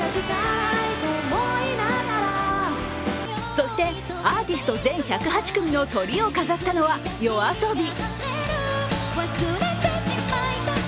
そしてアーティスト全１０８組のトリを飾ったのはＹＯＡＳＯＢＩ。